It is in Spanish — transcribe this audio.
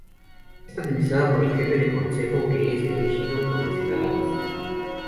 Es administrada por el jefe de Consejo, que es elegido por los ciudadanos.